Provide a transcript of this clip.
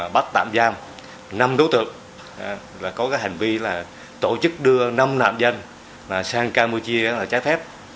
bắt tạm giam năm đối tượng có hành vi là tổ chức đưa năm nạn nhân sang campuchia trái phép